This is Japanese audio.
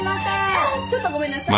ああちょっとごめんなさい。